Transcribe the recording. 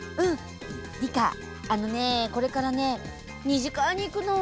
あのねこれからね２次会に行くの。